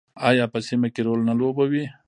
آیا په سیمه کې رول نه لوبوي؟